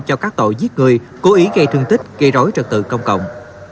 cho các tội giết người cố ý gây thương tích gây rối trật tự công cộng